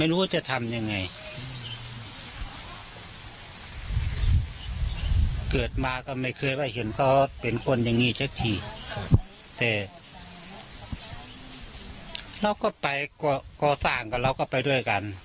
เราก็ไปก่อสร้างกับเราก็ไปด้วยกัน